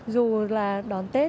dù là đón tết